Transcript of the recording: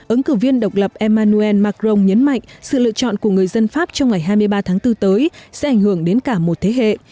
ứng cử viên độc lập emmanuel macron nhấn mạnh sự lựa chọn của người dân pháp trong ngày hai mươi ba tháng bốn tới sẽ ảnh hưởng đến cả một thế hệ